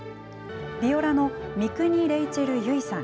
ビオラの三国レイチェル由依さん